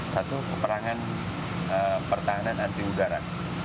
satu peperangan pertahanan anti udara